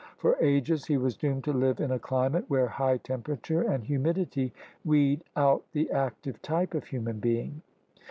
For ages he was doomed to live in a climate where high temperature and humidity weed out the active type of human being.